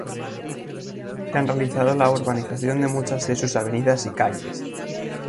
Se han realizado la urbanización de muchas de sus avenidas y calles.